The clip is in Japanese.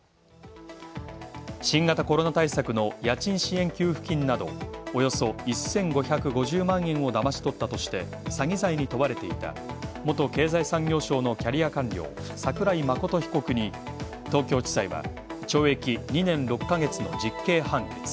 新型コロナ対策の家賃支援給付金などおよそ１５５０万円をだまし取ったとして、詐欺罪に問われていた元経済産業省のキャリア官僚桜井眞被告に、東京地裁は懲役２年６ヶ月の実刑判決。